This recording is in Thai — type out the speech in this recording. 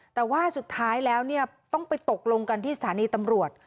แต่ว่าสุดท้ายแล้วต้องไปตกลงกันที่สถานีตำรวจ